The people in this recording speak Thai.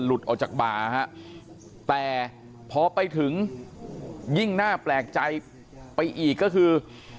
ออกจากบ่าฮะแต่พอไปถึงยิ่งน่าแปลกใจไปอีกก็คือ